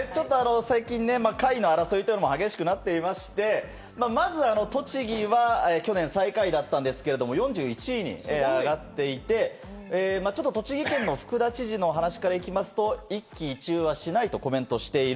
最近、下位の争いが激しくなっていまして、まずは栃木は去年最下位だったんですけれども、４１位に上がっていて、栃木県の福田知事の話からいきますと、一喜一憂はしないとコメントしている。